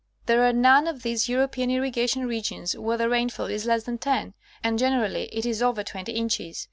There are none of these European irrigation regions where the rainfall is less than 10, and generally it is over 20 inches.